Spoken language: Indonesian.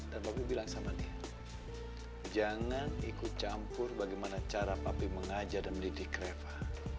dan papi bilang sama dia jangan ikut campur bagaimana cara papi mengajar dan mendidik reva